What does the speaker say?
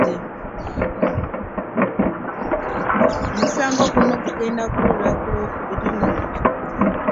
Omusango guno gugenda kuwulirwa ku lw'okubiri mu lujjudde